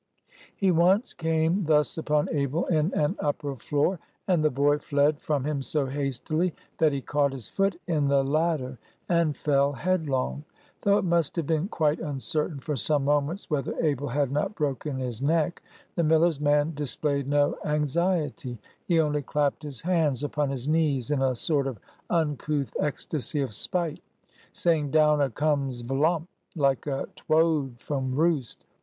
He once came thus upon Abel in an upper floor, and the boy fled from him so hastily that he caught his foot in the ladder and fell headlong. Though it must have been quite uncertain for some moments whether Abel had not broken his neck, the miller's man displayed no anxiety. He only clapped his hands upon his knees, in a sort of uncouth ecstasy of spite, saying, "Down a comes vlump, like a twoad from roost.